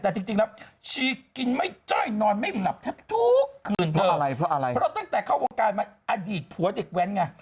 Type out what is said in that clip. แต่จริงชีกินไม่จ้อยนอนไม่หลับแทบทุกคืนเพราะตั้งแต่เข้าวงกายมาอดีตผัวเด็กแว้นไง